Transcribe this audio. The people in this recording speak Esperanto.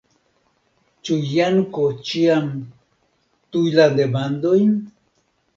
Ĉu Janko ĉiam tuj la demandojn?